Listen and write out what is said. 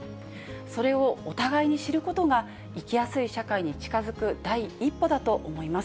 それをお互いに知ることが、生きやすい社会に近づく第一歩だと思います。